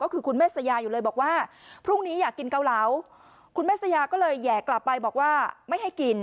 ก็คือคุณเมษยาอยู่เลยบอกว่าพรุ่งนี้อยากกินเกาเหลาคุณแม่สยาก็เลยแห่กลับไปบอกว่าไม่ให้กิน